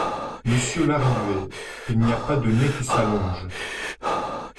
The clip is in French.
Monsieur Larrivé, il n’y a pas de nez qui s’allonge.